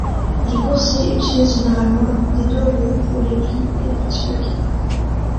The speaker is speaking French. Les coursiers utilisent généralement des deux-roues pour les plis et les petits paquets.